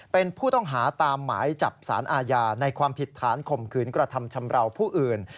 เป็นผู้ต้องหาตามหมายจับสารอาญาในความผิดฐานข่มขืนกระทำชำราวผู้อื่น